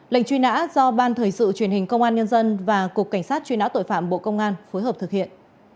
lệnh truy nã do ban thời sự truyền hình công an nhân dân và cục cảnh sát truy nã tội phạm bộ công an phối hợp thực hiện